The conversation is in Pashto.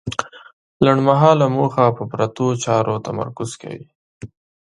لنډمهاله موخه په پرتو چارو تمرکز کوي.